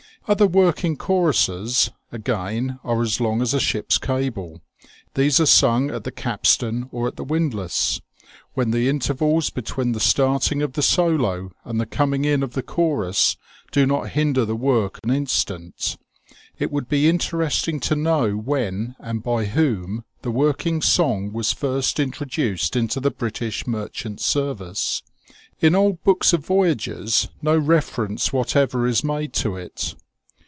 Other working choruses, again, are as long as a ship's cable. These' \ are sung at the capstan or at the windlass, when the intervals between the starting of the solo and the coming in of the chorus do not hinder the work an ' instant. It would be interesting to know when and by whom the working song was first introduced into the British Merchant Service. In old books of voyages no reference whatever is made to it.